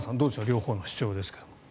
両方の主張ですが。